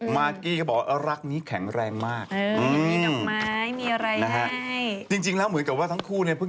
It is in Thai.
กาแโต๊คมาเรียนก็ละกัน